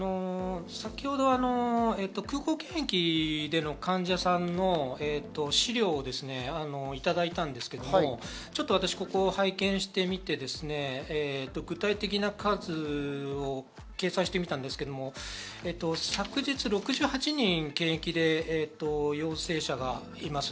先ほど空港検疫での患者さんの資料をいただいたんですけれども、ちょっと私、ここを拝見してみて具体的な数を計算してみたんですけど、昨日６８人検疫で陽性者がいます。